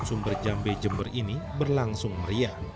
sumber jambe jember ini berlangsung meriah